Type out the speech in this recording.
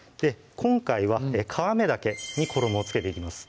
今回は皮目だけに衣をつけていきます